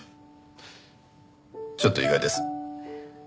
ちょっと意外です。